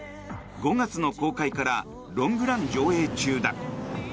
５月の公開からロングラン上映中だ。